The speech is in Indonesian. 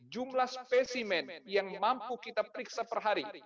jumlah spesimen yang mampu kita periksa per hari